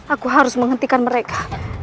aku harus menghentikan mereka